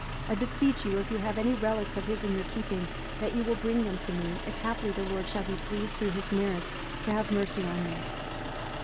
I beseech you, if you have any relics of his in your keeping, that you will bring them to me; if haply the Lord shall be pleased, through his merits, to have mercy on me.